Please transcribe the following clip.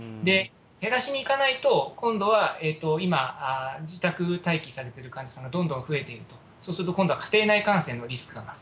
減らしにいかないと、今度は今、自宅待機されている患者さんがどんどん増えていると、そうすると今度は、家庭内感染のリスクが増す。